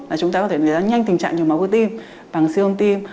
là chúng ta có thể đánh giá nhanh tình trạng nhồi máu cơ tim bằng siêu âm tim